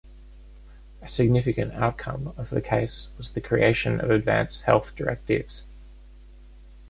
A significant outcome of the case was the creation of advance health directives.